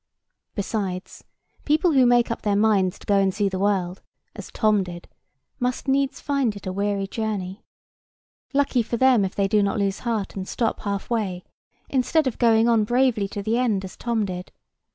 Besides, people who make up their minds to go and see the world, as Tom did, must needs find it a weary journey. Lucky for them if they do not lose heart and stop half way, instead of going on bravely to the end as Tom did.